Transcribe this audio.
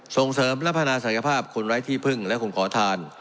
ส่งเสริมและพัฒนาศักยภาพคนไร้ที่พึ่งและคนขอทาน